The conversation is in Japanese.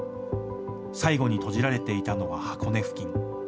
最後にとじられていたのは箱根付近。